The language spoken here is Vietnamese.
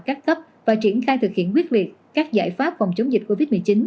các cấp và triển khai thực hiện quyết liệt các giải pháp phòng chống dịch covid một mươi chín